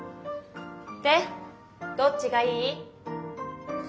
どっちがいい？